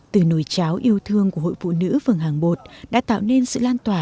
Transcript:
từ nồi cháo yêu thương của hội phụ nữ sửa hoàng bột đã tạo nên sự lan tỏa